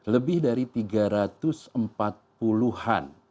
lebih dari tiga ratus empat puluh an